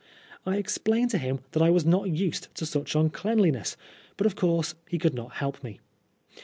I explained to him that I was not used to such undeanliness ; but of course he could not help me.